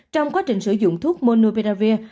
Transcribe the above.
trong quá trình sử dụng thuốc monopiravir